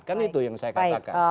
kan itu yang saya katakan